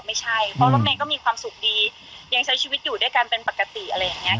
ไม่ใช่เพราะรถเมย์ก็มีความสุขดียังใช้ชีวิตอยู่ด้วยกันเป็นปกติอะไรอย่างนี้